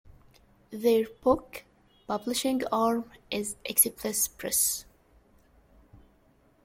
Their book-publishing arm is Eclipse Press.